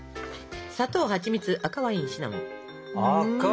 砂糖はちみつ赤ワインシナモン！